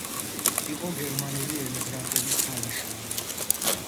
იყო გერმანელი ემიგრანტების ქალიშვილი.